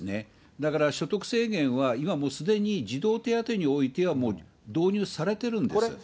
だから所得制限は、今もうすでに児童手当においてはもう導入されてるんです。